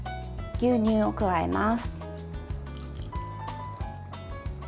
牛乳を加えます。